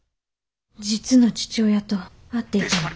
実の父親と会っていたの。